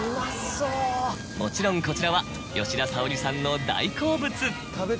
もちろんこちらは吉田沙保里さんの大好物。